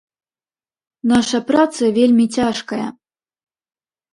Наша праца вельмі цяжкая.